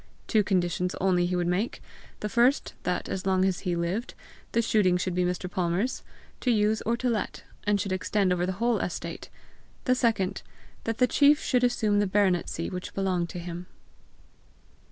Two conditions only he would make the first, that, as long as he lived, the shooting should be Mr. Palmer's, to use or to let, and should extend over the whole estate; the second, that the chief should assume the baronetcy which belonged to him.